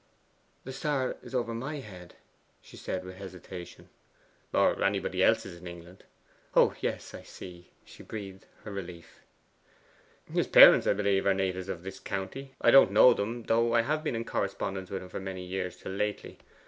'The star is over MY head,' she said with hesitation. 'Or anybody else's in England.' 'Oh yes, I see:' she breathed her relief. 'His parents, I believe, are natives of this county. I don't know them, though I have been in correspondence with him for many years till lately.